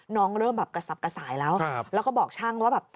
เริ่มแบบกระสับกระสายแล้วแล้วก็บอกช่างว่าแบบ